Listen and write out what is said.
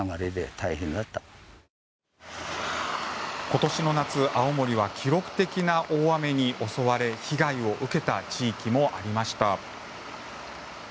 今年の夏、青森は記録的な大雨に襲われ被害を受けた地域もありました。